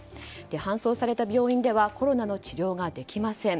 搬送された病院ではコロナの治療ができません。